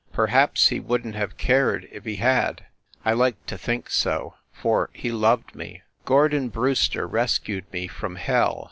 Perhaps he wouldn t have cared if he had. I like to think so for he loved me. Gordon Brewster rescued me from hell.